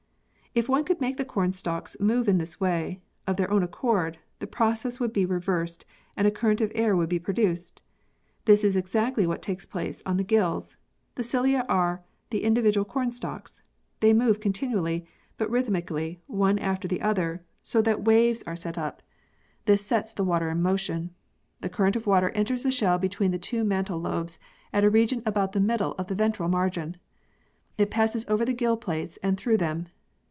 If one could make the cornstalks move in this way, of their own accord, the process would be reversed and a current of air would be produced. This is exactly what takes place on the gills : the cilia are the individual cornstalks they move continually, but rhythmically one after the other, so that waves are in] THE PEARL OYSTER 35 set up. This sets the water in motion. The current of water enters the shell between the two mantle lobes at a region about the middle of the ventral margin. It passes over the gill plates and through them.